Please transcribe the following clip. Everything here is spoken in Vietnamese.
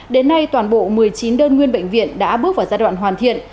đến nay toàn bộ một mươi chín đơn nguyên bệnh viện đã bước vào giai đoạn hoàn thiện